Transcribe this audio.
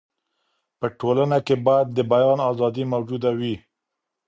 په ټولنه کې باید د بیان ازادي موجوده وي.